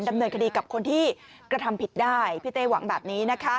ดำเนินคดีกับคนที่กระทำผิดได้พี่เต้หวังแบบนี้นะคะ